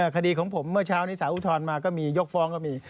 คดีของผมเมื่อเช้านี้สารอุทธรณ์มาก็มียกฟ้องก็มี